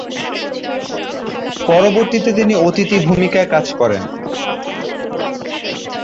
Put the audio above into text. পরবর্তীতে তিনি অতিথি ভূমিকায় কাজ করেন।